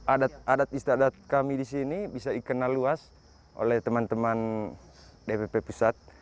adat adat istadat kami di sini bisa dikenal luas oleh teman teman dpp pusat